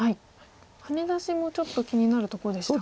ハネ出しもちょっと気になるとこでしたか。